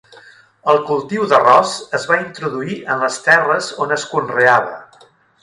El cultiu d'arròs es va introduir en els terres on es conreava.